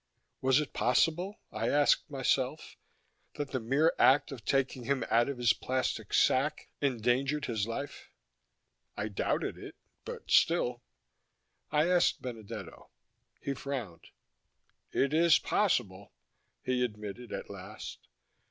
Was it possible, I asked myself, that the mere act of taking him out of his plastic sack endangered his life? I doubted it, but still I asked Benedetto. He frowned. "It is possible," he admitted at last.